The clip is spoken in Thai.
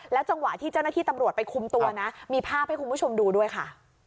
จังหวะที่เจ้าหน้าที่ตำรวจไปคุมตัวนะมีภาพให้คุณผู้ชมดูด้วยค่ะ